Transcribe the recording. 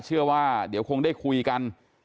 เชื่อว่าเดี๋ยวคงได้คุยกัน